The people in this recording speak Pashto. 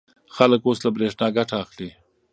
خلک اوس له برېښنا ګټه اخلي.